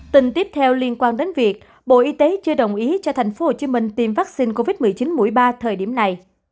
tin tiếp theo liên quan đến việc bộ y tế chưa đồng ý cho tp hcm tiêm vaccine covid một mươi chín mũi ba thời điểm này